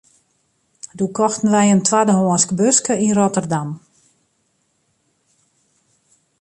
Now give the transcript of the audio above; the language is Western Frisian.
Doe kochten we in twaddehânsk buske yn Rotterdam.